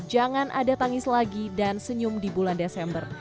jangan ada tangis lagi dan senyum di bulan desember